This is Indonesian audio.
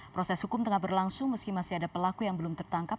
proses hukum tengah berlangsung meski masih ada pelaku yang belum tertangkap